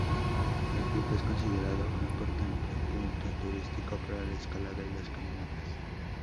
El pico es considerado un importante punto turístico para la escalada y las caminatas.